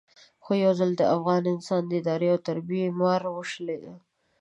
خو یو ځل د افغان انسان د ادارې او تربیې تومار وشلېد.